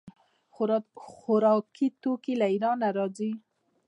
خوراکي توکي له ایران راځي.